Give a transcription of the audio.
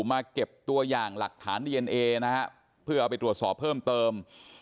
มาเก็บตัวอย่างหลักฐานดีเอนเอนะฮะเพื่อเอาไปตรวจสอบเพิ่มเติม